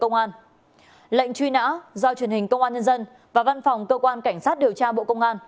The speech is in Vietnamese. lệnh truy nã do truyền hình công an nhân dân và văn phòng cơ quan cảnh sát điều tra bộ công an